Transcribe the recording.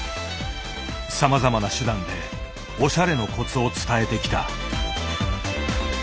さまざまな手段でおしゃれのコツを伝えてきた。